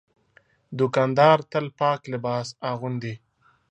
دوکاندار تل پاک لباس اغوندي.